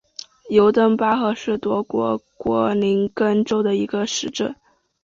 尤登巴赫是德国图林根州的一个市镇。